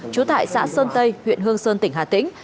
trú tại xã sơn tây huyện hương sơn tỉnh hà tĩnh